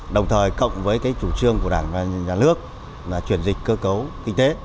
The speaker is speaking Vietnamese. đồng thời cộng với chủ trương của đảng và nhà nước là chuyển dịch cơ cấu kinh tế